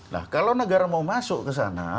nah kalau negara mau masuk ke sana